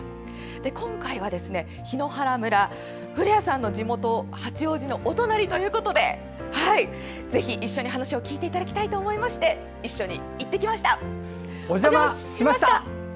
今回は檜原村、古谷さんの地元八王子のお隣ということでぜひ一緒に話を聞いていただきたいと思いお邪魔しました！